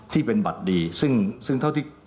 ที่เป็นบัตรดีซึ่ง